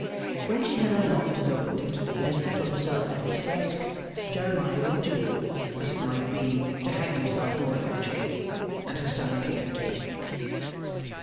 When she had unlocked and opened it, and had settled herself at its desk, Jeremiah withdrew as it might be, to hang himself more effectually and her son appeared.